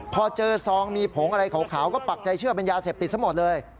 พอเจอซองมีผงอะไรขาวก็ปักใจเชื่อเป็นยาเสพติดซะหมดเลย